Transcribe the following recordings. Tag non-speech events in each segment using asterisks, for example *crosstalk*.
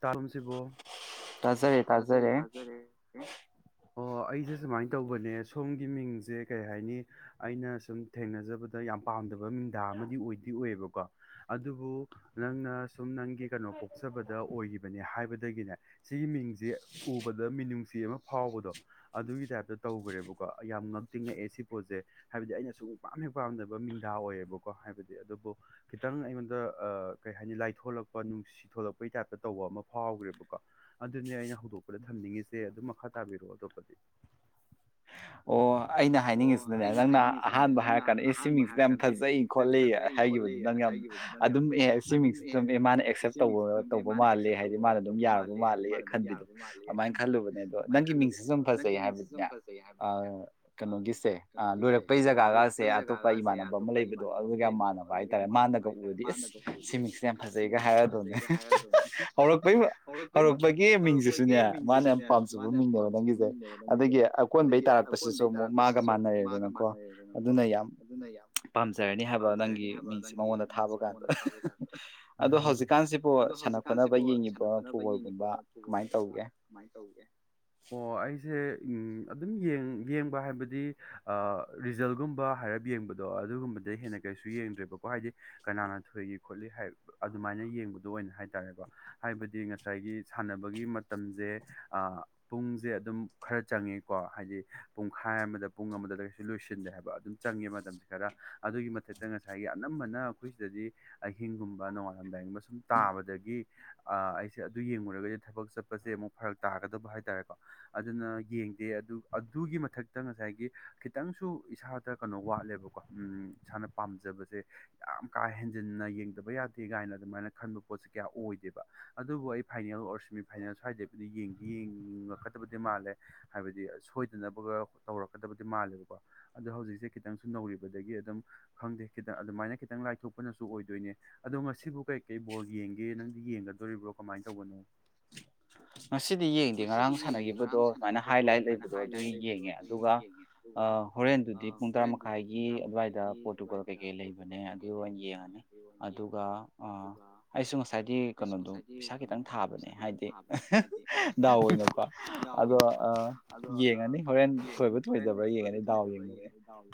ꯇꯂꯂꯝꯁꯤꯕꯨꯣ ꯇꯖꯔꯦ ꯇꯥꯖꯔꯦ ꯑꯩ ꯍꯣ ꯑꯩ ꯑꯩꯁꯦ ꯁꯨꯃꯥꯏꯅ ꯇꯧꯕꯅꯦ ꯁꯣꯝꯒꯤ ꯃꯤꯡꯁꯦ ꯀꯩ ꯍꯥꯏꯅꯤ ꯑꯩꯅ ꯁꯨꯝ ꯊꯦꯡꯅꯖꯕꯗ ꯌꯥꯝꯅ ꯄꯥꯝꯗꯕ ꯃꯤꯊ ꯑꯃꯗꯤ ꯑꯣꯏꯗꯤ ꯑꯣꯏꯌꯦꯕꯀꯣ ꯑꯗꯨꯕꯨ ꯅꯪꯅ ꯁꯨꯝ ꯅꯪꯒꯤ ꯀꯩꯅꯣ ꯄꯣꯛꯆꯕꯗ ꯑꯣꯏꯈꯤꯕꯅꯦ ꯍꯥꯏꯕꯗꯒꯤꯅꯦ ꯁꯤꯒꯤ ꯃꯤꯡꯁꯦ ꯎꯕꯗ ꯃꯤꯅꯨꯡꯁꯤ ꯑꯃ ꯐꯥꯎꯕꯗꯣ ꯑꯗꯨꯒꯤ ꯇꯥꯏꯞꯇ ꯇꯧꯈ꯭ꯔꯦꯕꯀꯣ ꯌꯥꯝ ꯉ ꯇꯤꯡꯉꯛꯑꯦ ꯁꯤ ꯄꯣꯠꯁꯦ ꯍꯥꯏꯕꯗꯤ ꯑꯩꯅ ꯁꯨꯝ ꯄꯥ ꯄꯥꯝꯕ ꯃꯤꯡꯗꯥ ꯑꯣꯏꯌꯦꯕꯀꯣ ꯍꯥꯏꯕꯗꯤ ꯑꯗꯨꯕꯨ ꯈꯤꯇꯪ ꯑꯩꯉꯣꯟꯗ ꯀꯩ ꯍꯥꯏꯅꯤ ꯂꯥꯏꯊꯣꯛꯂꯛꯄ ꯅꯨꯡꯁꯤ ꯊꯣꯛꯣꯂꯛꯄꯩ ꯇꯥꯏꯞꯇ ꯇꯧꯕ ꯑꯃ ꯐꯥꯎꯈ꯭ꯔꯦꯕꯀꯣ ꯑꯗꯨꯅꯦ ꯑꯩꯅ ꯍꯧꯗꯣꯛꯄꯗ ꯊꯝꯅꯤꯡꯉꯤꯁꯦ ꯑꯗꯨꯝ ꯃꯈꯥ ꯇꯥꯕꯤꯔꯛꯑꯣ ꯑꯗꯣ ꯗꯤ ꯑꯣ ꯑꯩꯅ ꯍꯥꯏꯅꯤꯡꯉꯤꯁꯤꯗꯅꯦ ꯅꯪꯅ ꯑꯍꯥꯟꯕ ꯍꯥꯏꯔ ꯀꯥꯟꯗ ꯑꯦ ꯁ꯭ꯤꯝꯃꯤꯡꯁꯤꯗ ꯌꯥꯝ ꯐꯖꯩ ꯈꯣꯠꯂꯤ ꯍꯥꯏꯈꯤꯕꯗꯨ ꯅꯪ ꯌꯥꯝ ꯑꯗꯨꯝ ꯑꯦ ꯁꯤ ꯃꯤꯡꯁꯤ ꯑꯗꯨꯝ ꯑꯦ ꯃꯥꯅ ꯑꯦꯛꯁꯦꯞ ꯇ ꯇꯧꯕ ꯃꯥꯜꯂꯦ ꯍꯥꯏꯗꯤ ꯃꯥꯅ ꯑꯗꯨꯝ ꯌꯥꯔꯕ ꯃꯥꯜꯂꯦ ꯃꯥꯅ ꯑꯗꯨꯝ ꯌꯥꯔꯕ ꯃꯥꯜꯂꯦ ꯑꯩ ꯈꯟꯗꯗꯤ ꯑꯗꯨꯃꯥꯏꯅ ꯈꯜꯂꯨꯕꯅꯦ ꯑꯗꯣ ꯅꯪꯒꯤ ꯃꯤꯡꯁꯤꯁꯨ ꯑꯗꯨꯝ ꯐꯖꯩ ꯑ ꯀꯩꯅꯣꯒꯤꯁꯦ ꯂꯣꯏꯔꯛꯄꯩ ꯖꯒꯥꯒꯁꯦ ꯑꯇꯣꯞꯄ ꯏꯃꯥꯟꯅꯕ ꯑꯃ ꯂꯩꯕꯗꯣ ꯑꯗꯨꯒ ꯌꯥꯝ ꯃꯥꯟꯅꯕ ꯍꯥꯏꯇꯥꯔꯦ ꯃꯅꯕ ꯎꯔꯗꯤ ꯑꯦꯁ ꯁꯤ ꯃꯤꯡꯁꯦ ꯌꯥꯝ ꯐꯖꯩꯒ ꯍꯥꯏꯔꯗꯅꯦ ꯍꯧꯔꯛꯄꯒꯤ ꯍꯧꯔꯛꯄ ꯃꯤꯡꯁꯤꯁꯨꯅꯦ ꯃꯥꯅ ꯌꯥꯝ ꯄꯥꯝꯖꯕ ꯃꯤꯡꯅꯦꯕ ꯅꯪꯒꯤꯁꯦ ꯑꯗꯒꯤ ꯑꯀꯣꯟꯕꯩ ꯇꯥꯔꯛꯄꯁꯤꯁꯨ ꯑꯃꯨꯛ ꯃꯥꯒ ꯃꯥꯟꯅꯔꯦꯗꯅꯀꯣ ꯑꯗꯨꯅ ꯌꯥꯝ ꯄꯥꯝꯖꯔꯅꯤ ꯍꯥꯏꯕ ꯅꯪꯒꯤ ꯃꯤꯡꯁꯦ ꯃꯉꯣꯟꯗ ꯊꯥꯕ ꯀꯥꯟꯗ ꯑꯗꯣ ꯍꯧꯖꯤꯛꯀꯥꯟꯁꯤꯕꯨ ꯁꯥꯟꯅ ꯈꯣꯠꯅꯕ ꯌꯦꯡꯉꯤꯕ ꯐꯨꯠꯕꯣꯜꯒꯨꯝꯕ ꯑꯣ ꯑꯩꯁꯦ ꯎ ꯑꯗꯨꯝ ꯌꯦꯡꯕ ꯍꯥꯏꯕꯗꯤ ꯍꯥꯏꯗꯤ ꯔꯤꯖꯜꯒꯨꯝꯕ ꯍꯥꯏꯞ ꯌꯦꯡꯕꯗꯣ ꯑꯗꯨꯒꯨꯝꯕꯗ ꯍꯦꯟꯅ ꯀꯩꯁꯨ ꯌꯦꯡꯗ꯭ꯔꯦꯕꯀꯣ ꯍꯥꯏꯗꯤ ꯀꯅꯥꯅ ꯊꯣꯢꯒꯤ ꯈꯣꯠꯂꯤ ꯍꯥꯏ ꯑꯗꯨꯃꯥꯏꯅ ꯌꯦꯡꯕꯗꯨ ꯑꯣꯏꯅ ꯍꯥꯏꯇꯔꯦ ꯀꯣꯍꯥꯏꯕꯗꯤ ꯉꯁꯥꯏꯒꯤ ꯁꯅꯕꯒꯤ ꯃꯇꯝꯁꯦ ꯑ ꯄꯨꯡꯖꯦ ꯑꯗꯨꯝ ꯈꯔꯥ ꯆꯪꯉꯦꯀꯣ ꯍꯥꯏꯗꯤ ꯄꯨꯡꯈꯥꯏ ꯑꯃꯗ ꯄꯨꯡ ꯑꯃꯗ ꯀꯩꯁꯨ ꯂꯣꯏꯁꯤꯟꯗꯦ ꯍꯥꯏꯕ ꯑꯗꯨꯝ ꯆꯪꯉꯦ ꯃꯇꯝꯁꯦ ꯈꯔ ꯑꯗꯨꯒꯤ ꯃꯊꯛꯇ ꯉꯁꯥꯏꯒꯤ ꯑꯅꯝꯕꯅ ꯑꯩꯈꯣꯏ ꯁꯤꯗ ꯍꯥꯏꯗꯤ ꯑꯍꯤꯡꯒꯨꯝꯕ ꯅꯣꯡꯉꯥꯜꯂꯝꯗꯥꯏꯒꯨꯝꯕ ꯁꯨꯝ ꯇꯥꯕꯗꯒꯤ ꯑꯩꯁꯦ ꯑꯗꯨ ꯌꯦꯡꯂꯉꯨꯔꯒꯗꯤ ꯊꯕꯛ ꯆꯠꯄꯁꯦ ꯑꯃꯨꯛ ꯐꯔꯛ ꯇꯥꯒꯗꯕ ꯍꯥꯏꯇꯥꯔꯦꯀꯣ ꯑꯗꯨꯅ ꯌꯦꯡꯗꯦ ꯑꯗꯨ ꯑꯗꯨꯒꯤ ꯃꯊꯛꯇ ꯉꯁꯥꯏꯒꯤ ꯒꯤ ꯈꯤꯇꯪꯁꯨ ꯏꯁꯥꯗ ꯀꯩꯅꯣ ꯋꯥꯠꯂꯦꯕꯀꯣ ꯏꯁꯥꯅ ꯄꯥꯝꯖꯕꯁꯦ ꯌꯥꯝ ꯀꯥ ꯍꯦ ꯍꯦꯟꯖꯤꯟꯅ ꯌꯦꯡꯗꯕ ꯌꯥꯗꯦ ꯀꯥꯏꯅ ꯑꯗꯨꯃꯥꯏꯅ ꯈꯟꯕ ꯄꯣꯠꯁꯤꯦ ꯀꯌꯥ ꯑꯣꯏꯗꯦꯕ ꯑꯗꯨꯕꯨ ꯑꯩ ꯐꯥꯏꯅꯦꯜ ꯑꯣꯔ ꯁꯦꯃꯤꯐꯥꯏꯜ ꯁ꯭ꯋꯥꯏꯗꯩ ꯌꯦꯡ ꯌꯦꯡꯉꯛꯀꯗꯕꯗꯤ ꯃꯥꯜꯂꯦ ꯍꯥꯏꯕꯗꯤ ꯁꯣꯏꯗꯅꯕ ꯇꯧꯔ ꯗꯕꯗꯤ ꯃꯥꯜꯂꯦꯕꯀꯣ ꯑꯗꯣ ꯍꯧꯖꯤꯛꯁꯦ ꯈꯤꯇꯪꯁꯨ ꯅꯧꯔꯤꯕꯗꯒꯤ ꯑꯗꯨꯝ ꯈꯪꯗꯦ ꯈꯤꯇꯪ ꯑꯗꯨꯃꯥꯏꯅ ꯈꯤꯇꯪ ꯂꯥꯏꯊꯣꯛ ꯄꯅꯁꯨ ꯑꯣꯏꯗꯣꯏꯅꯦ ꯑꯗꯣ ꯉꯁꯤꯕꯨ ꯀꯩꯀꯩ ꯕꯣꯜ ꯌꯦꯡꯒꯦ ꯅꯪꯗꯤ ꯌꯦꯡꯒꯗꯣꯔꯤꯕ꯭ꯔꯣ ꯀꯃꯥꯏꯅ ꯇꯧꯕꯅꯣ ꯉꯁꯤꯗꯤ ꯌꯦꯡꯗꯦ ꯉꯔꯥꯡ ꯁꯥꯟꯅꯈꯤꯕꯗꯣ ꯁꯨꯃꯥꯏꯅ ꯍꯥꯏ ꯂꯥꯏꯠ ꯂꯩꯕꯗꯣ ꯑꯗꯨ ꯌꯦꯡꯉꯦ ꯑꯗꯨꯒ ꯍꯣꯔꯦꯟꯗꯨꯗꯤ ꯄꯨꯡ ꯇꯔꯥ ꯃꯈꯥꯏꯒꯤ ꯑꯗꯨꯋꯥꯏꯗ ꯄꯣꯔꯇꯨꯒꯜ ꯀꯩꯀꯩ ꯂꯩꯕꯅꯦ ꯑꯗꯨ ꯑꯣꯏꯅ ꯌꯦꯡ ꯌꯦꯡꯉꯅꯤ ꯑꯗꯨꯒ ꯑꯩꯁꯨ ꯉꯁꯥꯏꯗꯤ ꯀꯩꯅꯣꯗꯣ ꯄꯩꯁꯥ ꯈꯤꯇꯪ ꯊꯥꯕꯅꯦ ꯍꯥꯏꯗꯤ ꯗꯥꯎ ꯑꯣꯏꯅꯀꯣ ꯑꯗꯣ ꯌꯦꯡꯉꯅꯤ ꯍꯣꯔꯦꯟ ꯊꯣꯏꯕ ꯊꯣꯏꯗꯕ꯭ꯔꯥ ꯌꯦꯡꯉꯅꯤ ꯗꯥꯎ ꯌꯦꯡꯕꯅꯤ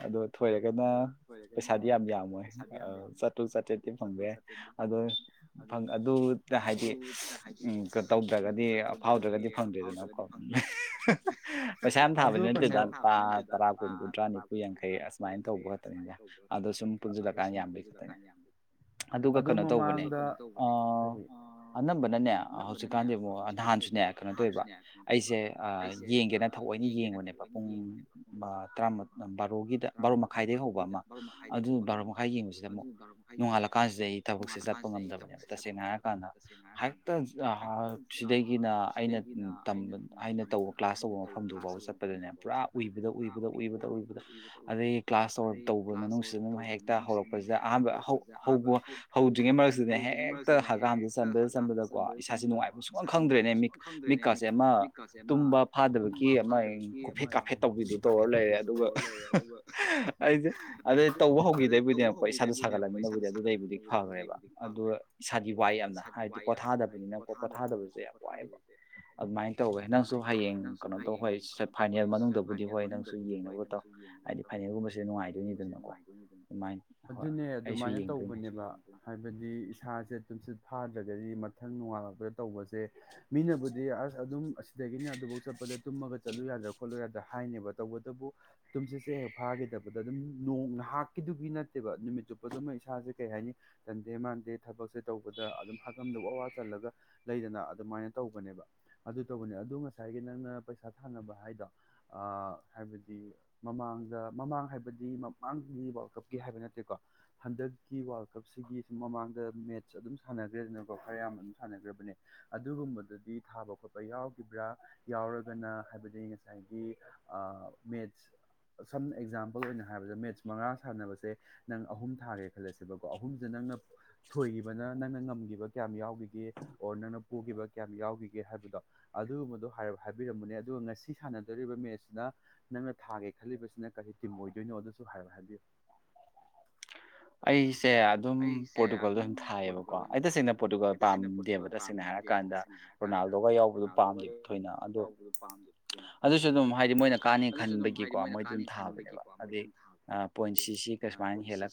ꯑꯗꯣ ꯊꯣꯏꯔꯒꯅ ꯄꯩꯁꯥꯗꯤ ꯌꯥꯝ ꯌꯥꯝꯃꯣꯏ ꯆꯥꯇ꯭ꯔꯨꯛ ꯆꯥꯇ꯭ꯔꯦꯠꯇꯤ ꯐꯪꯕ ꯌꯥꯏ ꯑ ꯑꯗꯨ ꯍꯥꯏꯗꯤ ꯎꯝ ꯇꯧꯗ꯭ꯔꯒꯗꯤ ꯐꯥꯎꯗ꯭ꯔꯒꯗꯤ ꯐꯪꯗ꯭ꯔꯤꯗꯅꯀꯣ ꯄꯩꯁꯥ ꯌꯥꯝ ꯊꯥꯕꯅꯤ ꯅꯠꯇꯦꯗ ꯇꯔꯥ ꯀꯨꯟ ꯀꯨꯟꯊ꯭ꯔꯥ ꯅꯤꯐꯨ ꯌꯥꯡꯈꯩ ꯑꯁꯨꯃꯥꯏꯅ ꯇꯧꯕ ꯈꯛꯇꯅꯤꯅꯦ ꯑꯗꯣ ꯁꯨꯝ ꯄꯨꯟꯁꯤꯜꯂꯛꯀꯥꯟꯗ ꯌꯥꯝꯕ ꯈ ꯌꯥꯝ ꯑꯗꯨꯒ ꯀꯩꯅꯣ ꯇꯧꯕꯅꯦ ꯑꯅꯝꯕꯅꯅꯦ ꯍꯧꯖꯤꯛ ꯀꯥꯟꯗꯗꯤ ꯑꯃꯛ ꯅꯍꯥꯟꯁꯨꯅꯦ ꯀꯩꯅꯣ ꯇꯧꯋꯕ ꯑꯩꯁꯦ ꯌꯦꯡꯒꯦꯅ ꯊꯑꯣꯏꯅ ꯌꯦꯡꯕꯅꯦꯕ ꯄꯨꯡ ꯕꯥꯔꯣꯒꯤꯗ ꯕꯥꯔꯣ ꯃꯈꯥꯏꯗꯒꯤꯩ ꯍꯧꯕ ꯑꯃ ꯑꯗꯨ ꯕꯥꯔꯣ ꯃꯈꯥꯏ ꯌꯦꯡꯕꯁꯤꯗ ꯑꯃꯨꯛ ꯅꯣꯡꯉꯥꯜꯂ ꯀꯥꯟꯁꯤꯗ ꯑꯩ ꯊꯕꯛꯁꯦ ꯆꯠꯄ ꯉꯝꯗꯕꯅꯦꯕ ꯇꯁꯦꯡꯅ ꯍꯥꯏꯔꯀꯥꯟꯗ ꯍꯦꯛꯇ ꯁꯤꯗꯒꯤꯅ ꯑꯩꯅꯝꯕ ꯑꯩꯅ ꯇꯧꯕ ꯀ꯭ꯂꯥꯁ ꯇꯧꯕ ꯃꯐꯝꯗꯨꯐꯥꯎꯕ ꯆꯠꯄꯗꯅꯦ ꯌꯥꯝ ꯄꯨꯔꯥ ꯎꯏꯕ ꯎ ꯎꯏꯕꯗ ꯎꯏꯕꯗ ꯎꯏꯕꯗ ꯑꯗꯗꯒꯤ ꯀ꯭ꯂꯥꯁ ꯇꯧꯕ ꯃꯅꯨꯡꯁꯤꯗꯅ ꯍꯦꯛꯇ ꯍꯧꯔꯛꯄꯁꯤꯗ ꯑꯍꯥꯟꯕ ꯍꯧꯕ ꯍꯧꯗ꯭ꯔꯤꯉꯩ ꯃꯔꯛꯁꯤꯗ ꯍꯦꯛꯇ ꯍꯛꯀꯝꯗ ꯆꯟꯕꯗ ꯆꯟꯕꯗꯀꯣ ꯏꯁꯥꯁꯦ ꯅꯨꯡꯉꯥꯏꯕ ꯁꯨꯡꯈꯥꯡ ꯈꯪꯗ꯭ꯔꯦꯅꯦ ꯃꯤ ꯃꯤꯠꯀꯥꯁꯦ ꯑꯃ ꯇꯨꯝꯕ ꯐꯥꯗꯕꯒꯤ ꯑꯃ ꯀꯥꯐꯦꯠꯇꯝ ꯇꯔ ꯂꯩꯔꯦ ꯑꯗꯨꯒ ꯑꯩꯁꯦ ꯑꯗꯩ ꯇꯧꯕ ꯍꯧꯈꯤꯗꯕꯨꯗꯤꯀ ꯏꯁꯥꯗ ꯐꯒꯠꯂꯃꯤꯅꯕꯨꯗꯤ ꯑꯗꯨꯗꯩꯕꯨꯗꯤ ꯐꯈ꯭ꯔꯦꯕ ꯑꯗꯨ ꯏꯁꯥꯗꯤ ꯋꯥꯏ ꯌꯥꯝꯅ ꯍꯥꯏꯕꯗꯤ ꯄꯣꯊꯥꯗꯕ ꯍꯥꯏꯗꯤ ꯄꯣꯊꯥꯗꯕꯅꯤꯅꯀꯣ ꯄꯣꯊꯥꯗꯕꯁꯦ ꯑꯗꯨꯃꯥꯏꯅ ꯇꯧꯋꯦ ꯅꯪꯁꯨ ꯍꯌꯦꯡ ꯀꯩꯅꯣ ꯇꯧꯕ ꯍꯣꯏ ꯐꯥꯏꯅꯦꯜ ꯃꯅꯨꯡꯗ ꯕꯨꯗꯤ ꯍꯣꯏ ꯅꯪꯁꯨ ꯌꯦꯡꯅꯕ ꯇꯧ ꯍꯥꯏꯗꯤ ꯐꯥꯏꯅꯦꯜꯒꯨꯝꯕꯁꯤꯗ ꯅꯨꯡꯉꯥꯏꯗꯣꯏꯅꯤꯗꯅꯀꯣ ꯑꯗꯨꯃꯥꯏꯅ ꯍꯣꯏ ꯑꯩ ꯑꯗꯨꯃꯥꯏꯅ ꯇꯧꯕꯅꯦꯕ ꯍꯥꯏꯕꯗꯤ ꯏꯁꯥꯁꯦ ꯇꯨꯝꯆꯠ ꯐꯥꯗ꯭ꯔꯒꯗꯤ ꯃꯊꯪ ꯅꯨꯡꯉꯥꯂꯄ ꯇꯧꯕꯁꯦ ꯃꯤꯅꯕꯨꯗꯤ ꯑꯁ ꯑꯗꯨꯝ ꯑꯁꯤꯗꯒꯤꯅ ꯑꯗꯨꯐꯧ ꯆꯠꯄꯗ ꯇꯨꯝꯃꯒ ꯆꯠꯂꯨ ꯌꯥꯗ꯭ꯔꯥ ꯈꯣꯠꯂꯨ ꯌꯥꯗ꯭ꯔꯥ ꯍꯥꯏꯅꯦꯕ ꯇꯧꯕꯇꯕꯨ ꯇꯨꯝꯁꯤꯠꯁꯦ ꯍꯦꯛ ꯐꯥꯈꯤꯗꯕꯗ ꯑꯗꯨꯝ ꯅꯣꯡ ꯉꯍꯥꯛꯀꯤꯗꯨꯒꯤ ꯅꯠꯇꯦꯕ ꯅꯨꯃꯤꯠ ꯑ ꯆꯨꯞꯄꯗꯨꯃ ꯏꯁꯥꯁꯦ ꯀꯩ ꯍꯥꯏꯅꯤ ꯇꯟꯗꯦ ꯃꯥꯟꯗꯦ ꯊꯕꯛꯁꯦ ꯇꯧꯕꯗ ꯑꯗꯨꯝ ꯍꯥꯀꯝꯗ ꯋꯥ ꯋꯥ ꯆꯜꯂꯒ ꯂꯩꯗꯅ ꯑꯗꯨꯃꯥꯏꯅ ꯇꯧꯕꯒꯅꯦꯕ ꯑꯗꯨ ꯇꯧꯕꯅꯦ ꯑꯗꯨ ꯉꯁꯥꯏꯒꯤ ꯅꯪꯅ ꯄꯩꯁꯥ ꯊꯥꯅꯕ ꯍꯥꯏꯗꯣ ꯍꯥꯏꯕꯗꯤ ꯃꯃꯥꯡꯗ ꯃꯃꯥꯡ ꯍꯥꯏꯕꯗꯤ ꯃꯃꯥꯡꯒꯤ ꯋꯥꯔꯜ ꯀꯞꯀꯤ ꯍꯥꯏꯕ ꯅꯠꯇꯦꯀꯣ ꯍꯟꯗꯛꯀꯤ ꯋꯥꯔꯜ ꯀꯞꯁꯤꯒꯤ ꯁꯨꯝ ꯃꯃꯥꯡꯗ ꯃꯦꯠꯆ ꯑꯗꯨꯝ ꯁꯥꯟꯅꯈ꯭ꯔꯦꯗꯅꯀꯣ ꯈꯔ ꯌꯥꯝꯅ ꯑꯗꯨꯝ ꯁꯥꯟꯅꯈ꯭ꯔꯕꯅꯤ ꯑꯗꯨꯒꯨꯝꯕꯗꯗꯤ ꯊꯥꯕ ꯈꯣꯠꯄ ꯌꯥꯎꯈꯤꯕ꯭ꯔꯥ ꯌꯥꯎꯔꯒꯅ ꯍꯥꯏꯕꯗꯤ ꯉꯁꯥꯏꯒꯤ ꯃꯦꯠꯁ ꯁꯝ ꯑꯦꯛꯖꯥꯝꯄꯜ ꯑꯣꯏꯅ ꯍꯥꯏꯔꯕꯗ ꯃꯦꯠꯁ ꯃꯉꯥ ꯁꯥꯟꯅꯕꯁꯦ ꯅꯪ ꯑꯍꯨꯝ ꯊꯥꯒꯦ ꯈꯜꯂꯁꯦꯕꯀꯣ ꯑꯍꯨꯝꯁꯤ ꯅꯪ ꯊꯣꯏꯈꯤꯕꯅ ꯅꯪꯅ ꯉꯝꯈꯤꯕ ꯀꯌꯥꯝ ꯌꯥꯎꯈꯤꯒꯦ ꯑꯣꯔ ꯅꯪꯅ ꯄꯨꯈꯤꯕ ꯀꯌꯥꯝ ꯌꯥꯎꯈꯤꯒꯦ ꯍꯥꯏꯕꯗꯨ ꯑꯗꯨꯒꯨꯝꯕꯗꯣ ꯍꯥꯏꯕꯤꯔꯝꯕꯅꯦ ꯑꯗꯨꯒ ꯉꯁꯤ ꯁꯥꯟꯅꯗꯣꯔꯤꯕ ꯃꯦꯠ ꯁꯤꯗ ꯅꯪꯅ ꯊꯥꯒꯦ ꯈꯜꯂꯤꯕꯁꯤꯅ ꯀꯔꯤ ꯇꯤꯝ ꯑꯣꯏꯗꯣꯏꯅꯣ ꯑꯗꯨꯁꯨ ꯍꯥꯏꯔ ꯍꯥꯏꯕꯤꯌꯨ *inaudible* ꯑꯩꯁꯦ ꯑꯗꯨꯝ ꯄꯣꯔꯇꯨꯒꯥꯜꯗꯣ ꯑꯗꯨꯝ ꯊꯥꯏꯌꯦꯕꯀꯣ ꯑꯩ ꯇꯁꯦꯡꯅ ꯄꯣꯔꯇꯨꯒꯜ ꯄꯥꯝꯗꯦꯕ ꯇꯁꯦꯡꯅ ꯍꯥꯏꯔꯀꯥꯟꯗ ꯔꯣꯅꯥꯜꯗꯣꯒ ꯌꯥꯎꯕꯗꯨꯣ ꯄꯥꯝꯗꯦꯕ ꯊꯣꯏꯅ ꯑꯗꯣ ꯑꯗꯨꯁꯨ ꯑꯗꯨꯝ ꯍꯥꯏꯗꯤ ꯃꯣꯏꯅ ꯀꯥꯅꯤ ꯈꯟꯕꯒꯤ ꯀ ꯃꯣꯏ ꯑꯗꯨꯝ ꯊꯥꯕꯅꯦꯕ ꯑꯗꯩ ꯄꯣꯏꯟꯁꯤꯁꯤ ꯀꯩ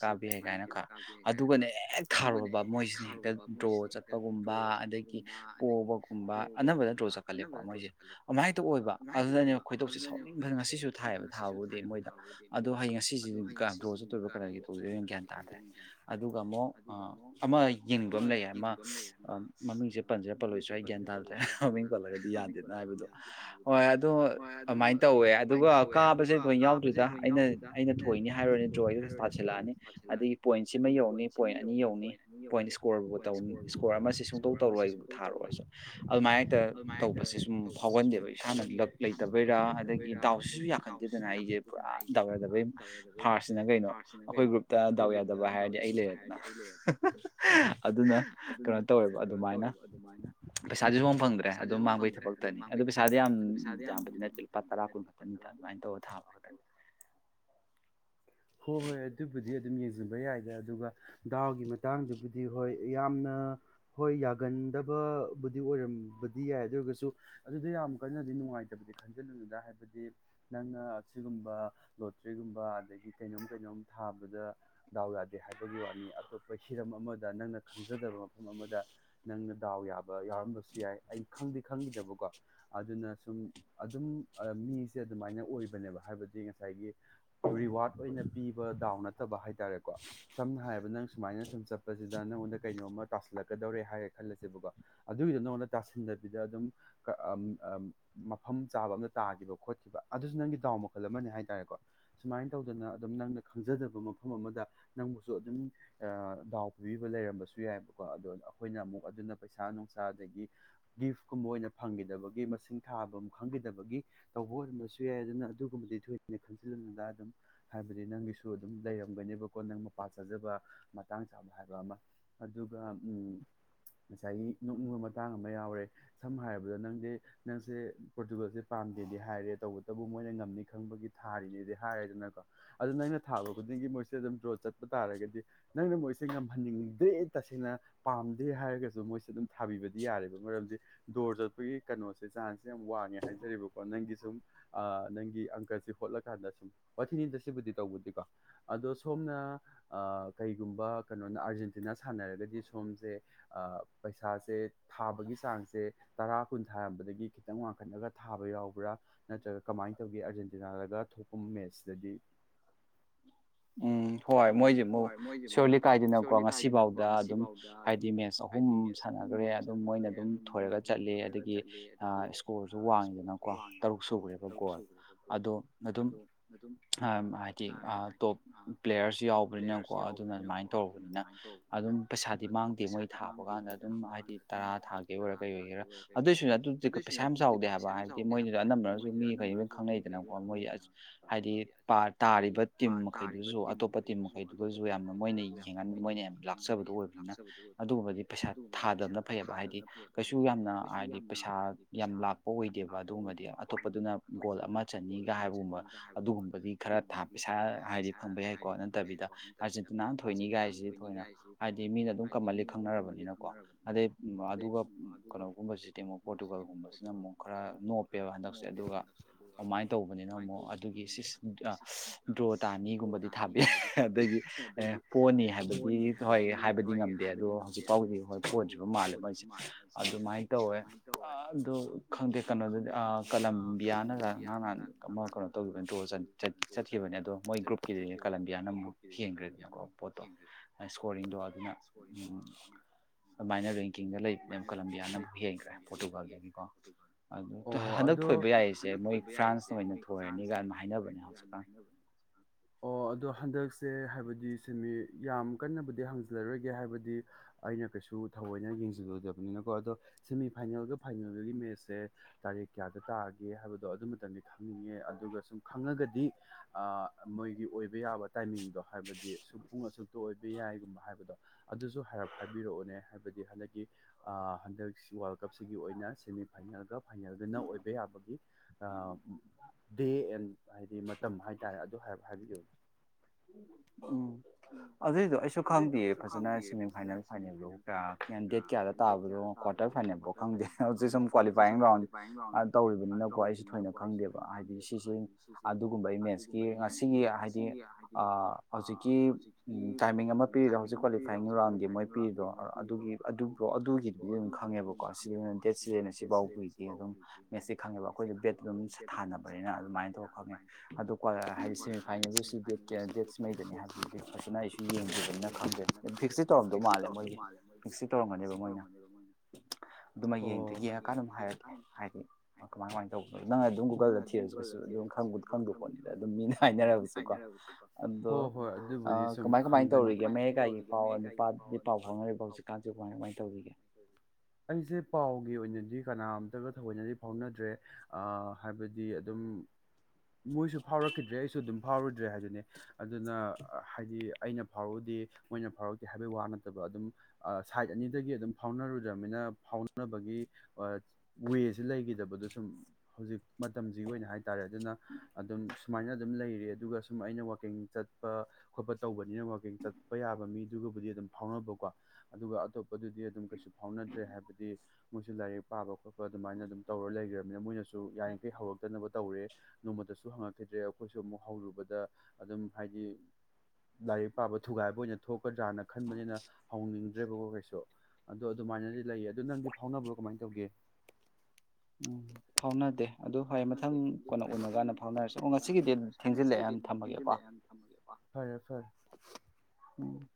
ꯀꯥꯕ ꯍꯥꯏꯏ ꯀꯥꯏꯅ ꯈ ꯑꯗꯨꯒꯅ ꯍꯦꯛ ꯊꯥꯔꯨꯔꯕ ꯃꯣꯏꯁꯤꯅ ꯍꯦꯛꯇ ꯗ꯭ꯔꯣ ꯆꯠꯄꯒꯨꯝꯕ ꯑꯗꯒꯤ ꯄꯣꯕꯒꯨꯝꯕ ꯑꯅꯝꯕꯗ ꯗ꯭ꯔꯣ ꯆꯠꯀꯠꯂꯦꯀꯣ ꯃꯣꯏꯁꯦ ꯑꯗꯨꯃꯥꯏꯛꯇ ꯑꯣꯏꯕ ꯑꯗꯨꯅꯅꯦ ꯈꯣꯏꯗꯣꯛꯁꯦ ꯁꯥꯎꯅꯤꯡꯕꯅ ꯉꯁꯤꯁꯨ ꯊꯥꯏꯑꯕ ꯊꯥꯕꯨꯗꯤ ꯃꯣꯏꯗ ꯑꯗꯣ ꯍꯌꯦ ꯉꯁꯤ ꯗ꯭ꯔꯣꯁꯠꯇꯣꯏꯔꯤꯕ ꯀꯔꯒꯤ ꯇꯧꯗ ꯒ꯭ꯌꯥꯟ ꯇꯥꯗ꯭ꯔꯦ ꯑꯗꯨꯒ ꯑꯃꯨꯛ ꯑꯃ ꯌꯦꯡꯕ ꯑꯃ ꯂꯩ ꯑꯃ ꯃꯃꯤꯡꯁꯦ ꯄꯟꯖꯔ ꯄꯜꯂꯣꯏ ꯁ꯭ꯋꯥꯏ ꯒ꯭ꯟ ꯭ꯔ ꯃꯃꯤꯡ ꯈꯠꯂꯒꯗꯤ ꯌꯥꯗꯦꯗꯅ ꯍꯥꯏꯕꯗꯣ ꯍꯣꯏ ꯑꯗꯣ ꯑꯗꯨꯃꯥꯏꯅ ꯇꯧꯋꯦ ꯑꯗꯨꯒ ꯊꯥꯕꯁꯦ ꯂꯣꯏ ꯌꯥꯎꯗ꯭ꯔꯤꯗ ꯑꯩꯅ ꯑꯩꯅ ꯊꯣꯛꯏꯅꯤ ꯍꯥꯏꯔꯨꯔꯅꯤ ꯗ꯭ꯔꯣꯗ ꯇꯥꯁꯤꯜꯂꯛꯑꯅꯤ ꯑꯗꯒꯤ ꯄꯣꯏ ꯁꯤꯃ ꯌꯧꯅꯤ ꯄꯣꯏꯟꯠ ꯑꯅꯤ ꯌꯧꯅꯤ ꯄꯣꯏꯟ ꯏꯁꯀꯣꯔꯕꯨ ꯇꯧꯅꯤ ꯏꯁꯀꯣꯔ ꯑꯃꯁꯤ ꯁꯨꯡꯇꯧ ꯇꯧꯔꯣꯏ ꯍꯥꯏꯕꯕꯨ ꯊꯥꯔꯨꯔꯔꯁꯨ ꯑꯗꯨꯃꯥꯏ ꯍꯛꯇ ꯇꯧꯕꯁꯦ ꯁꯨꯝ ꯐꯥꯎꯍꯟꯗꯦꯕ ꯏꯁꯥꯅ ꯂꯛ ꯂꯩꯇꯕꯩꯔꯥ ꯑꯗꯒꯤ ꯗꯥꯎꯁꯤꯁꯨ ꯌꯥ ꯇꯈꯟꯗꯗꯅ ꯑꯩꯁꯦ ꯄꯨꯔꯥ ꯎꯔꯗꯕꯩ ꯐꯥꯔꯁꯁꯤꯅ ꯀꯩꯅꯣ ꯑꯩꯈꯣꯏ ꯒ꯭ꯔꯨꯞꯇ ꯎ ꯌꯥꯗꯕ ꯍꯥꯏꯔꯗꯤ ꯑꯩ ꯂꯩꯔꯦꯗꯅ ꯑꯗꯨꯅ ꯀꯩꯅꯣ ꯇꯧꯋꯦꯕ ꯑꯗꯨꯃꯥꯏꯅ ꯄꯩꯁꯥꯗꯤ ꯁꯨꯝ ꯐꯪꯗ꯭ꯔꯦ ꯑꯗꯨꯝ ꯃꯥꯡꯕꯒꯤ ꯊꯕꯛꯇꯅꯤ ꯑꯗꯨꯗꯣ ꯄꯩꯁꯥꯗꯤ ꯌꯥꯝ ꯌꯥꯝꯕꯗꯤ ꯅꯠꯇꯦ ꯂꯨꯄꯥ ꯇꯔꯥ ꯀꯨꯟ ꯈꯛꯇ ꯑꯗꯨꯃꯥꯏꯅ ꯇꯧꯔ ꯊꯥꯕ ꯈꯛꯇꯪ ꯍ ꯍꯣꯏ ꯑꯗꯨ ꯑꯗꯨꯕꯨꯗꯤ ꯑꯗꯨ ꯌꯦ ꯕ ꯌꯥꯏꯗ ꯑꯗꯨꯒ ꯗꯥꯎꯒꯤ ꯃꯇꯥꯡꯗꯕꯨꯗꯤ ꯍꯣꯏ ꯌꯥꯝꯅ ꯍꯣꯏ ꯌꯥꯒꯟꯗꯕ ꯕꯨꯗꯤ ꯑꯣꯏꯔꯝꯕꯗꯤ ꯌꯥꯏ ꯑꯗꯨ ꯑꯣꯏꯔꯒꯁꯨ ꯑꯗꯨꯗꯤ ꯌꯥꯝ ꯀꯟꯅꯗꯤ ꯅꯨꯡꯉꯥꯏꯇꯕꯗꯤ ꯈꯟꯖꯅꯉꯗ ꯍꯥꯏꯕꯗꯤ ꯅꯪꯅ ꯑꯁꯤꯒꯨꯝꯕ ꯂꯣꯇ꯭ꯔꯤꯒꯨꯝꯕ ꯑꯗꯒꯤ ꯀꯩꯅꯣꯝ ꯀꯩꯅꯣꯝ ꯊꯥꯕꯗ ꯗꯥꯎ ꯌꯥꯗꯦ ꯍꯥꯏꯕꯒꯤ ꯋꯥꯅꯤ ꯑꯇꯣꯞꯄ ꯍꯤꯔꯝ ꯑꯃꯗ ꯅꯪꯅ ꯈꯪꯖꯗꯕ ꯃꯐꯝ ꯑꯃꯗ ꯅꯪꯅ ꯗꯥꯎ ꯌꯥꯕ ꯌꯥꯎꯔꯝꯕꯁꯨ ꯌꯥꯏ ꯑꯩ ꯈꯪꯗꯤ ꯈꯪꯈꯤꯗꯕꯀꯣ ꯑꯗꯨꯅ ꯁꯨꯝ ꯑꯗꯨꯝ ꯃꯤꯁꯦ ꯑꯗꯨꯃꯥꯏꯅ ꯑꯣꯏꯕꯅꯦꯕ ꯍꯥꯏꯕꯗꯤ ꯉꯁꯥꯏꯒꯤ ꯔꯤꯋꯥꯔꯠ ꯑꯣꯏꯅ ꯄꯤꯕ ꯗꯥꯎ ꯅꯠꯇꯕ ꯍꯥꯏꯇꯥꯔꯦ ꯀꯣ ꯁꯝꯅ ꯍꯥꯏꯔꯕꯗ ꯅꯪ ꯁꯨꯃꯥꯏꯅ ꯁꯨꯝ ꯆꯠꯄꯁꯤꯗ ꯅꯪꯉꯣꯟꯗ ꯀꯩꯅꯣꯝꯃ ꯇꯁꯤꯜꯂꯛꯀꯗꯧꯔꯦ ꯍꯥꯏꯔꯦ ꯈꯜꯂꯁꯦꯕꯀꯣ ꯑꯗꯨꯒꯤꯗꯨꯣ ꯅꯉꯣꯟꯗ ꯇꯥꯁꯤꯟ ꯗ ꯑꯗꯨꯝ ꯃꯐꯝ ꯆꯥꯕ ꯑ ꯇꯥ ꯈꯣꯠꯈꯤꯕ ꯑꯗꯨꯁꯨ ꯅꯪꯒꯤ ꯗꯥꯎ ꯃꯈꯜ ꯑꯃ ꯍꯥꯏꯇꯥꯔꯦꯀꯣ ꯁꯨꯃꯥꯏꯅ ꯇꯧꯗꯅ ꯑꯗꯨꯝ ꯅꯪꯅ ꯈꯪꯖꯗꯕ ꯃꯐꯝ ꯑꯃꯗ ꯅꯪꯕꯨꯁꯨ ꯑꯗꯨꯝ ꯗꯥꯎ ꯄꯤꯕꯤꯕ ꯂꯩꯔꯝꯕꯁꯨ ꯌꯥꯏꯕꯀꯣ ꯑꯗꯣ ꯑꯩꯈꯣꯏꯅ ꯑꯃꯨꯛ ꯑꯗꯨꯅ ꯄꯩꯁꯥ ꯅꯨꯡꯁꯥ ꯑꯗꯒꯤ ꯒꯤꯐ ꯀꯨꯝꯕ ꯑꯣꯏꯅ ꯐꯪꯈꯤꯗꯕꯒꯤ ꯃꯁꯤꯡ ꯊꯥꯕꯝ ꯈꯪꯈꯤꯗꯕꯒꯤ ꯇꯧꯕ ꯑꯣꯏꯕꯥꯖꯨ ꯊꯝꯕꯁꯨ ꯌꯥꯏ ꯑꯗꯨꯅ ꯑꯗꯨꯒꯨꯝꯕꯗꯤ ꯊꯣꯏꯏꯅ ꯈꯟꯖꯤꯜꯂꯨꯅꯨꯗꯥ ꯑꯗꯨꯝ ꯍꯥꯏꯕꯗꯤ ꯅꯪꯒꯤꯁꯨ ꯑꯗꯨꯝ ꯂꯩꯔꯝꯒꯅꯦꯕ ꯀꯣꯟ ꯅꯪ ꯃꯄꯥꯜ ꯆꯥꯖꯕ ꯃꯇꯥꯡ ꯆꯥꯕ ꯍꯥꯏꯕ ꯑꯃ ꯑꯗꯨꯒ ꯉꯁꯥꯏꯒꯤ ꯅꯣꯛꯅꯤꯡꯕ ꯃꯇꯥꯡ ꯑꯃ ꯌꯥꯎꯔꯦ ꯁꯝꯅ ꯍꯥꯏꯔꯕꯗ ꯅꯪꯗꯤ ꯅꯪꯁꯦ ꯄꯣꯔꯇꯨꯒꯜꯁꯦ ꯄꯥꯝ ꯗꯦꯗꯤ ꯍꯥꯏꯔꯦ ꯇꯧꯕꯇꯕꯨ ꯃꯣꯏꯅ ꯉꯝꯅꯤ ꯈꯪꯕꯒꯤ ꯊꯥꯔꯤꯅꯦꯗꯤ ꯍꯥꯏꯔꯦꯗꯅꯀꯣ ꯑꯗꯨꯅ ꯑꯩꯅ ꯊꯥꯕ ꯈꯨꯗꯤꯡꯒꯤ ꯃꯣꯏ ꯑꯗꯨꯝ ꯗ꯭ꯔꯣ ꯆꯠꯄ ꯇꯥꯔꯒꯗꯤ ꯅꯪꯅ ꯃꯣꯏꯁꯦ ꯉꯝꯍꯟꯅꯤꯡꯗ꯭ꯔꯦ ꯇꯁꯦꯡꯅ ꯄꯥꯝꯗꯦ ꯍꯥꯏꯔꯒꯁꯨ ꯃꯣꯏꯁꯦ ꯑꯗꯨꯝ ꯊꯥꯕꯤꯕꯗꯤ ꯌꯥꯔꯦꯕ ꯃꯔꯝꯗꯤ ꯗꯣꯔ ꯆꯠꯄꯒꯤ ꯀꯩꯅꯣꯁꯦ ꯆꯥꯟꯁꯁꯦ ꯌꯥꯝ ꯋꯥꯡꯉꯦ ꯍꯥꯏꯖꯔꯤꯕꯀꯣ ꯅꯪꯒꯤ ꯁꯨꯝ ꯅꯪꯒꯤ ꯑꯪꯀꯁꯦ ꯍꯣꯠꯂꯀꯥꯟꯗ ꯁꯨꯝ ꯋꯥꯊꯤꯅꯤꯗ ꯁꯤꯕꯨꯗꯤ ꯇꯧꯕꯗꯤꯀꯣ ꯑꯗꯣ ꯁꯣꯝꯅ ꯀꯩꯒꯨꯝꯕ ꯀꯩꯅꯣꯅ ꯑꯥꯔꯖꯦꯟꯇꯤꯅꯥ ꯁꯥꯟꯅꯔꯒꯗꯤ ꯁꯣꯝꯁꯦ ꯄꯩꯁꯥꯁꯦ ꯊꯥꯕꯒꯤ ꯆꯥꯡꯁꯦ ꯇꯔꯥ ꯀꯨꯟ ꯊꯥꯔꯝꯕꯗꯒꯤ ꯈꯤꯇꯪ ꯋꯥꯡꯈꯠꯂꯒ ꯊꯥꯕ ꯌꯥꯎꯋ ꯇꯧꯕ꯭ꯔꯥ ꯅꯠꯇ꯭ꯔꯒ ꯀꯃꯥꯏꯅ ꯇꯧꯒꯦ ꯑꯥꯔꯖꯦꯟꯇꯤꯅꯥꯗꯒ ꯊꯣꯛꯄ ꯃꯦꯠꯆꯁꯤꯗꯗꯤ ꯎ ꯎꯝ ꯍꯣꯏ ꯃꯣꯏꯁꯦ ꯑꯃꯨꯛ ꯁꯣꯔꯂꯤꯀꯥꯏꯗꯅꯀꯣ ꯉꯁꯤꯐꯥꯎꯗ ꯑꯗꯨꯝ ꯍꯥꯏꯗꯤ ꯃꯦꯠꯁ ꯑꯍꯨꯝ ꯑꯗꯨꯝ ꯁꯥꯟꯅꯈ꯭ꯔꯦ ꯑꯗꯨꯝ ꯃꯣꯏꯅ ꯑꯗꯨꯝ ꯊꯣꯏꯔꯒ ꯆꯠꯂꯦ ꯑꯗꯒꯤ ꯏꯁꯀꯣꯔꯁꯨ ꯋꯥꯡꯉꯤꯗꯅꯀꯣ ꯇꯔꯨꯛ ꯁꯨꯈ꯭ꯔꯦꯕ ꯒꯣꯜ ꯑꯗꯣ ꯑꯗꯨꯝ ꯍꯥꯏꯗꯤ ꯑꯣ ꯄ꯭ꯂꯦꯌꯔꯁꯨ ꯌꯥꯎꯕꯅꯤꯅꯀꯣ ꯑꯗꯨꯅ ꯑꯗꯨꯃꯥꯏꯅ ꯇꯧꯔꯕꯅꯤꯅ ꯑꯗꯨꯝ ꯄꯩꯁꯥꯗꯤ ꯃꯥꯡꯗꯦ ꯃꯣꯏ ꯊꯥꯕ ꯀꯥꯟꯗ ꯑꯗꯨꯝ ꯍꯥꯏꯗꯤ ꯇꯔꯥ ꯊꯥꯒꯦ ꯑꯣꯏꯔꯥ ꯀꯩ ꯑꯣꯏꯒꯦꯔꯥ ꯑꯗꯨꯑꯣꯏꯁꯨꯅ ꯑꯗꯨꯗꯤ ꯄꯩꯁꯥ ꯌꯥꯝ ꯆꯥꯎꯗꯦ ꯍꯥꯏꯕ ꯍꯥꯏꯗꯤ ꯃꯣꯏꯅꯁꯨ ꯑꯅꯝꯕ ꯃꯤ ꯂꯩꯅ ꯈꯪꯅꯩꯗꯅꯀꯣ ꯃꯣꯏ ꯑ ꯍꯥꯏꯗꯤ ꯇꯥꯔꯤꯕ ꯇꯤꯝ ꯃꯈꯩꯗꯨꯁꯨ ꯑꯇꯣꯞꯄ ꯇꯤꯝ ꯃꯈꯩꯗꯨꯒꯁꯨ ꯌꯥꯝꯅ ꯃꯣꯏꯅ ꯌꯦꯡꯉꯅꯤꯅ ꯃꯣꯏꯅ ꯌꯥꯝ ꯂꯥꯛꯆꯕꯗꯨꯣ ꯑꯣꯏꯕꯅꯤꯅ ꯑꯗꯨꯒꯨꯝꯕ ꯍꯥꯏ ꯄꯩꯁ ꯊꯥꯗꯕꯅ ꯐꯩꯕ ꯍꯥꯏꯗꯤ ꯀꯩꯁꯨ ꯌꯥꯝꯅ ꯍꯥꯏꯗꯤ ꯄꯩꯁꯥ ꯌꯥꯝ ꯂꯥꯛꯄ ꯑꯣꯏꯗꯦꯕ ꯑꯗꯨꯒꯨꯝꯕꯗꯤ ꯑꯇꯣꯞꯄꯗꯨꯅ ꯒꯣꯜ ꯑꯃ ꯆꯅꯤ ꯍꯥꯏꯕꯒꯨꯝꯕ ꯑꯗꯨꯒꯨꯝꯕꯗꯤ ꯈꯔ ꯄꯩꯁꯥ ꯍꯥꯏꯗꯤ ꯐꯪꯕ ꯌꯥꯏꯀꯣ ꯅꯠꯇꯕꯤꯗ ꯑꯥꯔꯖꯦꯟꯇꯤꯅꯥ ꯊꯣꯏꯅꯤꯒꯥꯏꯁꯤ ꯊꯣꯏꯅ ꯍꯥꯏꯗꯤ ꯃꯤꯅ ꯑꯗꯨꯝ ꯀꯃꯟꯂꯤ ꯈꯪꯅꯔꯕꯅꯤ ꯅ ꯀꯣ ꯑꯗꯩ ꯑꯗꯨꯒ ꯀꯩꯅꯣꯒꯨꯝꯕꯁꯤꯗꯤ ꯑꯃꯨꯛ ꯄꯣꯔꯇꯨꯒꯜꯒꯨꯝꯕꯁꯤꯅ ꯑꯃꯨꯛ ꯈꯔ ꯅꯣꯞꯄꯦ ꯄꯦꯕꯥ ꯍꯟꯇꯛꯁꯦ ꯑꯗꯨꯒ ꯑꯃꯥꯏ ꯇꯧꯕꯅꯤꯅꯥ ꯃꯨꯛ ꯑꯗꯨꯒꯤ ꯁꯤꯁ ꯗꯔꯥꯎ ꯇꯥꯃꯤ ꯃꯤꯒꯨꯝꯕꯗꯤ ꯊꯥꯕꯤ ꯑꯗꯒꯤ ꯄꯣꯅꯤ ꯍꯥꯏꯕꯗꯤ ꯍꯣꯏ ꯍꯥꯏꯕꯗꯤ ꯉꯝꯗꯦ ꯑꯗꯣ ꯍꯧꯖꯤꯛꯇ ꯄꯥꯎꯗꯤ ꯍꯣꯏ ꯎꯗꯔꯤꯕ ꯃꯥꯜꯂꯦ ꯃꯣꯏꯁꯦ ꯑꯗꯨꯃꯥꯏꯅ ꯇꯧꯋꯦ ꯑꯗꯨ ꯈꯪꯗꯦ ꯀꯩꯅꯣꯗꯗꯤ ꯀꯂꯝꯕꯤꯌꯥꯅꯔ ꯉꯔꯥꯡ ꯅꯍꯥꯟ ꯑꯃ ꯀꯩꯅꯣ ꯇꯧꯈꯤꯕꯅꯤ ꯗꯔꯣ ꯆꯠꯈꯤꯕꯅꯦ ꯑꯗꯣ ꯃꯣꯏ ꯒ꯭ꯔꯨꯞꯀꯤꯗꯨ ꯀꯂꯝꯕꯤꯌꯥꯅ ꯑꯃꯨꯛ ꯍꯦꯟꯈ꯭ꯔꯦꯗꯅꯀꯣ ꯄꯣꯠꯇꯣ ꯁ꯭ꯀꯣꯔꯤꯡꯗꯣ ꯑꯗꯨꯅ ꯑꯗꯨ ꯑꯗꯨꯃꯥꯏꯅ ꯔꯦꯡꯀꯤꯡꯗ ꯂꯩꯕꯅꯦ ꯀꯂꯝꯕꯤꯌꯥꯅ ꯑꯃꯨꯛ ꯍꯦꯟꯈ꯭ꯔꯦ ꯄꯣꯔꯇꯨꯒꯥꯜꯗꯒꯤꯀꯣ ꯑꯗꯨ ꯍꯟꯗꯛ ꯊꯣꯏꯕ ꯌꯥꯏꯔꯤꯁꯦ ꯃꯣꯏ ꯐ꯭ꯔꯥꯟꯁ ꯁꯃꯥꯏꯅ ꯊꯣꯏꯔꯅꯤ ꯀꯥꯏꯅ ꯍꯥꯏꯅꯕꯅꯦ ꯍꯧꯖꯤꯛꯀꯥꯟ ꯑꯣ ꯑꯗꯣ ꯍꯟꯗꯛꯁꯦ ꯍꯥꯏꯕꯗꯤ ꯁꯤꯃꯤ ꯌꯥꯝ ꯀꯟꯅꯕꯨꯗꯤ ꯍꯪꯖꯔꯣꯏꯒꯦ ꯍꯥꯏꯕꯗꯤ ꯑꯩꯅ ꯀꯩꯁꯨ ꯁꯨ ꯊꯑꯣꯏꯅ ꯌꯦꯡꯖꯜꯂꯣꯏꯗꯕꯅꯤꯅꯀꯣ ꯑꯗꯣ ꯁꯦꯃꯤꯐꯥꯏꯅꯦꯜꯒ ꯐꯥꯏꯅꯦꯜꯒꯒꯤ ꯃꯦꯠꯁꯁꯦ ꯇꯥꯔꯤꯛ ꯀꯌꯥꯗ ꯇꯥꯒꯦ ꯍꯥꯏꯕꯗꯣ ꯑꯗꯨꯃꯇꯪꯗꯤ ꯈꯪꯅꯤꯡꯉꯦ ꯑꯗꯨꯒ ꯁꯨꯝ ꯈꯪꯉꯒꯗꯤ ꯃꯣꯏꯒꯤ ꯑꯣꯏꯕ ꯌꯥꯕ ꯇꯥꯏꯃꯤꯡꯗꯣ ꯍꯥꯏꯕꯗꯤ ꯁꯨ ꯄꯨꯡ ꯑꯁꯨꯛꯇ ꯑꯣꯏꯕ ꯌꯥꯏꯒꯨꯝꯕ ꯍꯥꯏꯕꯗꯣ ꯑꯗꯨꯁꯨ ꯍꯥꯏꯔꯞ ꯍꯥꯏꯕꯤꯔꯛꯑꯣꯅꯦ ꯍꯥꯏꯕꯗꯤ ꯍꯟꯗꯛꯀꯤ ꯍꯟꯗꯛꯁꯤ ꯋꯥꯔꯜ ꯀꯞꯁꯤꯒꯤ ꯑꯣꯏꯅ ꯁꯦꯃꯤꯐꯥꯏꯅꯦꯜꯒ ꯐꯥꯏꯅꯦꯜꯗꯨꯅ ꯑꯣꯏꯕ ꯌꯥꯕꯒꯤ ꯗꯦ ꯑꯦꯟ ꯍꯥꯏꯗꯤ ꯃꯇꯝ ꯍꯥꯏꯇꯥꯔꯦ ꯍꯥꯏꯕꯤꯌꯣ ꯎꯝ *inaudible* ꯑꯗꯨꯏꯗꯣ ꯑꯩꯁꯨ ꯈꯪꯗꯦ ꯐꯖꯅ ꯁꯦꯃꯤꯐꯥꯏꯅꯦꯜ ꯐꯥꯏꯅꯦꯜꯗꯣ ꯀꯌꯥ ꯗꯦꯠ ꯀꯌꯥꯗ ꯇꯥꯕꯗꯣ ꯀ꯭ꯋꯥꯇꯔ ꯐꯥꯏꯅꯦꯜ ꯐꯥꯎ ꯈꯪꯗꯦ ꯍꯧꯦ ꯁꯨꯝ ꯀ꯭ꯋꯥꯂꯤꯐꯥꯏꯌꯤꯡ ꯔꯥꯎꯟ ꯇꯧꯔꯤꯕꯅꯤꯅꯀꯣ ꯑꯩꯁꯨ ꯊꯣꯏꯅ ꯈꯪꯗꯦꯕ ꯍꯥꯏꯗꯤ ꯁꯤꯁꯤ ꯑꯗꯨꯒꯨꯝꯕ ꯏ ꯃꯦꯟꯁꯀꯤ ꯉꯁꯤꯒꯤ ꯍꯥꯏꯗꯤ ꯍꯧꯖꯤꯛꯀꯤ ꯎꯝ ꯇꯥꯏꯃꯤꯡ ꯑꯃ ꯄꯤꯔꯤꯗꯣ ꯍꯧꯖꯤꯛ ꯀ꯭ꯋꯥꯂꯤꯐꯥꯏꯌꯤꯡ ꯔꯥꯎꯟꯗꯤ ꯃꯣꯏ ꯄꯤꯔꯤꯗꯣ ꯑꯗꯨꯒꯤ ꯑꯗꯨꯣ ꯑꯗꯨꯒꯤꯗꯨꯗꯤ ꯈꯪꯉꯦꯕꯀꯣ ꯁꯤꯗ ꯗꯦꯠ ꯁꯤꯗꯦꯟ ꯑꯁꯤꯐꯥꯎꯕꯒꯤꯗꯤ ꯑꯗꯨꯝ ꯃꯦꯠꯁꯁꯤꯦ ꯈꯪꯉꯦꯕ ꯑꯩꯈꯣꯏꯗ ꯕꯦꯠꯇꯨ ꯑꯗꯨꯝ ꯊꯥꯅꯕꯅꯦ ꯑꯅ ꯑꯗꯨꯃꯥꯏꯅ ꯇꯧ ꯈꯪꯉꯦ ꯑ ꯍꯥꯏꯗꯤ ꯁꯦꯃꯤꯐꯥꯏꯅꯦꯜꯗꯨ ꯗꯦꯠꯁꯤꯃꯩꯗꯅꯤ ꯍꯥꯏꯕ ꯑꯗꯨꯗꯤ ꯐꯖꯅ ꯑꯩꯁꯨ ꯌꯦꯡꯗꯕꯅꯤꯅ ꯈꯪꯗ꯭ꯔꯦ ꯐꯤꯛꯁꯇꯤ ꯇꯧꯔꯝꯗꯧ ꯃꯥꯜꯂꯦ ꯃꯣꯏꯗꯤ ꯐꯤꯛꯁꯁꯤ ꯇꯧꯔꯝꯒꯅꯦꯕ ꯃꯣꯏꯅ ꯎ ꯑꯗꯨꯃ ꯌꯦꯡꯗ ꯌꯦꯡꯉꯀꯥꯟꯗ ꯑꯗꯨꯝ ꯍꯥꯏꯔꯛꯀꯦ ꯍꯥꯏꯗꯤ ꯀꯃꯥꯏ ꯀꯃꯥꯏꯅ ꯇꯧꯕꯅꯣ ꯅꯪꯅ ꯑꯗꯨꯝ ꯒꯨꯒꯜꯗ ꯊꯤꯔꯁꯨ ꯀꯩꯁꯨ ꯑꯗꯨ ꯑꯗꯨꯝ ꯈꯪꯗꯣꯛꯄꯣꯠꯅꯤꯅ ꯑꯗꯨꯝ ꯃꯤꯅ ꯍꯥꯏꯅꯔꯕꯁꯨꯦ ꯍꯥꯏ ꯀꯃꯥꯏ ꯀꯃꯥꯏꯅ ꯇꯧꯔꯤꯒꯦ ꯃꯌꯥ ꯂꯩꯀꯥꯏꯒꯤ ꯄꯥꯎ ꯅꯨꯄꯥꯗꯤ ꯄꯥꯎ ꯐꯪꯅꯔꯤꯕ ꯍꯧꯖꯤꯛꯀꯥꯟꯁꯤ ꯀꯃꯥꯏ ꯀꯃꯥꯏꯅ ꯇꯧꯔꯤꯒꯦ ꯊ ꯑꯩꯁꯦ ꯄꯥꯒꯦ ꯑꯣꯏꯅꯗꯤ ꯀꯅꯥꯝꯇꯒ ꯊꯑꯣꯏꯅꯗꯤ ꯐꯥꯎꯅꯗ꯭ꯔꯦ ꯍꯥꯏꯕꯗꯤ ꯑꯗꯨꯝ ꯃꯣꯏꯁꯨ ꯐꯥꯎꯔꯛꯈꯤꯗ꯭ꯔꯦ ꯑꯩꯁꯨ ꯑꯗꯨꯝ ꯐꯥꯎꯔꯨꯗ꯭ꯔꯦ ꯍꯥꯏꯕꯅꯦ ꯑꯗꯨꯅ ꯍꯥꯏꯗꯤ ꯑꯩꯅ ꯐꯥꯎꯔꯛꯎꯗꯦ ꯃꯣꯏꯅ ꯐꯥꯎꯔꯛꯗꯦ ꯍꯥꯏꯕꯩ ꯋꯥ ꯅꯠꯇꯕ ꯑꯗꯨꯝ ꯁꯥꯏꯠ ꯑꯅꯤ ꯗꯒꯤ ꯑꯗꯨꯝ ꯐꯥꯎꯅꯔꯨꯗ꯭ꯔꯕꯅꯤꯅ ꯐꯥꯎꯅꯕꯒꯤ ꯋꯦꯁ ꯂꯩꯈꯤꯗꯕꯗꯨꯣ ꯁꯨꯝ ꯍꯧꯖꯤꯛ ꯃꯇꯝꯁꯤꯒꯤ ꯑꯣꯏꯅ ꯍꯥꯏꯇꯥꯔꯦ ꯑꯗꯨꯅ ꯑꯗꯨꯝ ꯁꯨꯃꯥꯏꯅ ꯑꯗꯨꯝ ꯂꯩꯔꯦ ꯑꯗꯨꯒ ꯁꯨꯝ ꯑꯩꯅ ꯋꯥꯛꯀꯤꯡ ꯆꯠ ꯆꯠꯄ ꯈꯣꯠꯄ ꯇꯧꯕꯅꯤꯅ ꯋꯀꯤꯡ ꯆꯠꯄ ꯌꯥꯕ ꯃꯤꯗꯨꯒꯕꯨꯗꯤ ꯑꯗꯨꯝ ꯐꯥꯎꯅꯕꯀꯣ ꯑꯗꯨꯒ ꯑꯇꯣꯞꯄ ꯗꯤ ꯑꯗꯨꯝ ꯀꯩꯁꯨ ꯐꯥꯎꯅꯗ꯭ꯔꯦ ꯍꯥꯏꯕꯗꯤ ꯃꯣꯏꯁꯨ ꯂꯥꯏꯔꯤꯛ ꯄꯥꯕ ꯈꯣꯠꯄ ꯑꯗꯨꯃꯥꯏꯅ ꯑꯗꯨꯝ ꯇꯧꯔ ꯂꯩꯈ꯭ꯔꯕꯅꯤꯅ ꯃꯣꯏꯅꯁꯨ ꯌꯥꯔꯤꯈꯩ ꯍꯧꯔꯛꯇꯅꯕ ꯇꯧꯔꯦ ꯅꯣꯡꯃꯗꯁꯨ ꯍꯪꯉꯛꯈꯤꯗ꯭ꯔꯦ ꯑꯩꯈꯣꯏꯁꯨ ꯑꯃꯨꯛ ꯍꯧꯔꯨꯕꯗ ꯑꯗꯨꯝ ꯍꯥꯏꯗꯤ ꯂꯥꯏꯔꯤꯛ ꯄꯥꯕ ꯊꯨꯒꯥꯏꯕ ꯑꯣꯏꯅ ꯊꯣꯛꯀꯗ꯭ꯔꯥꯅ ꯈꯟꯕꯅꯤꯅ ꯍꯧꯅꯤꯡꯗ꯭ꯔꯦꯕꯀꯣ ꯀꯩꯁꯨ ꯑꯗ ꯑꯗꯨꯃꯥꯏꯅꯗꯤ ꯂꯩꯌꯦ ꯑꯗꯨ ꯅꯪꯗꯤ ꯐꯥꯎꯅꯕ꯭ꯔꯣ ꯀꯃꯥꯏꯅ ꯇꯧꯒꯦ ꯎꯝ ꯐꯥꯎꯅꯗꯦ ꯐꯥꯎꯅꯗꯦ ꯑꯗꯨ ꯐ ꯃꯊꯪ ꯀꯥꯟꯗ ꯈꯥꯎꯅꯔꯁꯤ ꯑꯣ ꯉꯁꯤꯒꯤꯗꯤ ꯊꯦꯡꯖꯤꯜꯂꯛꯑꯦꯅ ꯊꯝꯃꯒꯦꯀꯣ ꯐꯔꯦ ꯐꯔꯦ ꯎꯝ